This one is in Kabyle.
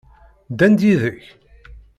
Ddan-d yid-k?